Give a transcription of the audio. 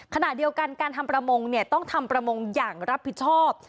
ขณะเดียวกันการทำประมงต้องทำประมงอย่างรับผิดชอบ